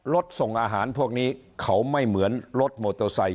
รถส่งอาหารพวกนี้เขาไม่เหมือนรถโมโตไซค์